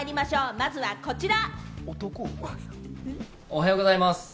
まずはこちら。